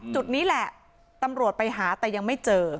จุดนี้แหละตำรวจไปหาแต่ยังไม่เจอ